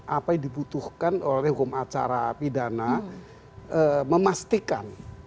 apa yang dibutuhkan oleh hukum acara pidana memastikan